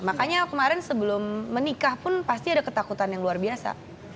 makanya kemarin sebelum menikah pun pasti ada ketakutan yang luar biasa